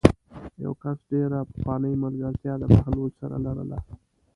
یوه کس ډېره پخوانۍ ملګرتیا د بهلول سره لرله.